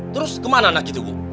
terus kemana anak itu bu